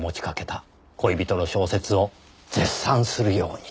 恋人の小説を絶賛するようにと。